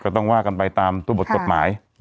ต้องว่ากันไปตามตัวบทกฎหมาย